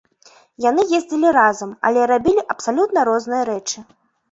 Яны ездзілі разам, але рабілі абсалютна розныя рэчы.